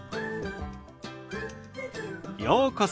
ようこそ。